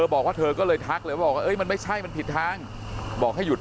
บอกว่าเธอก็เลยทักเลยบอกว่ามันไม่ใช่มันผิดทางบอกให้หยุด